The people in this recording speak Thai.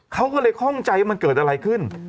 เขาก็เลยคล่องใจว่ามันเกิดอะไรขึ้น